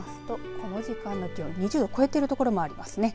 この時間２０度を超えている所もありますね。